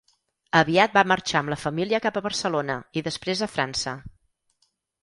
Aviat va marxar amb la família cap a Barcelona i després a França.